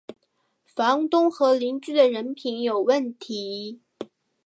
房东和邻居的人品有问题